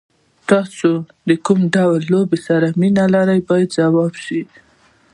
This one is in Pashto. تاسو له کوم ډول لوبو سره مینه لرئ باید ځواب شي.